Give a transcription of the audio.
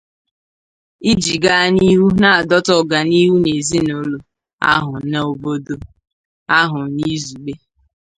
iji gaa n'ihu na-adọta ọganihu n'ezinụlọ ahụ na n'obodo ahụ n'izugbe.